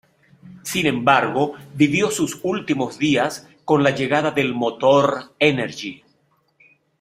Sin embargo, vivió sus últimos días con la llegada del motor Energy.